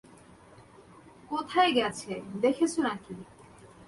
কোথায় গেছে দেখেছ নাকি?